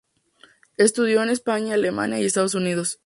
Estudió en España, Alemania y Estados Unidos.